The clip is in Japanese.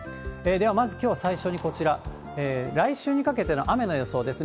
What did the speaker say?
では、まずきょう、最初にこちら、来週にかけての雨の予想です。